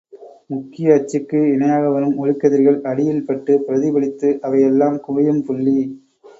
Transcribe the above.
முக்கிய அச்சுக்கு இணையாக வரும் ஒளிக்கதிர்கள் அடியில் பட்டுப் பிரதிபலித்து, அவை எல்லாம் குவியும் புள்ளி.